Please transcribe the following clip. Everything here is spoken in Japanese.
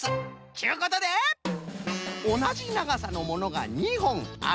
ちゅうことでおなじながさのものが２ほんある。